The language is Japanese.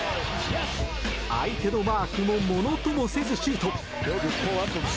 相手のマークもものともせずシュート！